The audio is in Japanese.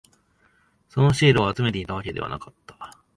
そのシールを集めていたわけではなかった。